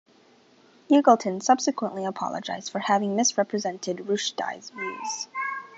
Eagleton subsequently apologised for having misrepresented Rushdie's views.